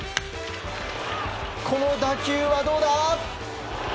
この打球はどうだ？